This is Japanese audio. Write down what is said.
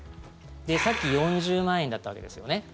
さっき４０万円だったわけですよね。